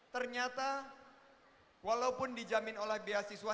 ternyata walaupun dijamin oleh beasiswa